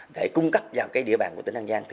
để cung cấp vào địa bàn của tỉnh an giang